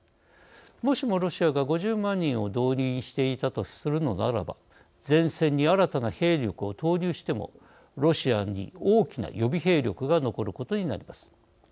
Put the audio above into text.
もしもロシアが５０万人を動員していたとするのであれば前線に新たな兵力を投入してもロシアに大きな予備兵力が残ることになります。